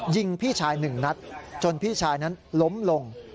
ยิงพี่ชายหนึ่งนัดจนพี่ชายนั้นล้มลง